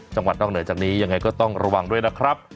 จังหวัดนอกเหนือจากนี้ยังไงก็ต้องระวังด้วยนะครับ